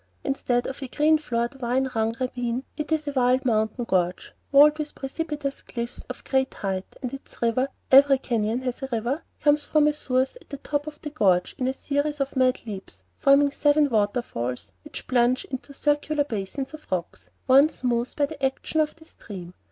Instead of a green floored, vine hung ravine, it is a wild mountain gorge, walled with precipitous cliffs of great height; and its river every canyon has a river comes from a source at the top of the gorge in a series of mad leaps, forming seven waterfalls, which plunge into circular basins of rock, worn smooth by the action of the stream.